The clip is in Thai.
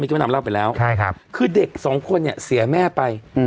พี่มดำเล่าไปแล้วใช่ครับคือเด็กสองคนเนี่ยเสียแม่ไปอืม